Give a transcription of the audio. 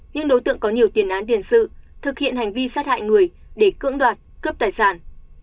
những đối tượng có nhiều tiền án tiền sự thực hiện hành vi sát hại người để cưỡng đoạt cướp tài sản